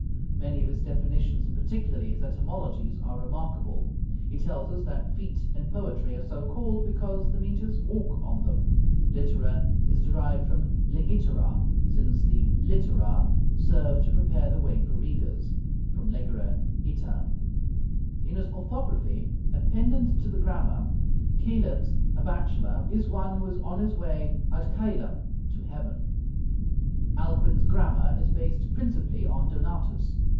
Many of his definitions and particularly his etymologies, are remarkable. He tells us that feet in poetry are so called "because the metres walk on them"; littera is derived from legitera, "since the littera serve to prepare the way for readers" (legere, iter). In his 'Orthography,' a pendant to the 'Grammar,' coelebs, a bachelor, is "one who is on his way ad coelum" (to heaven). Alcuin's 'Grammar' is based principally on Donatus.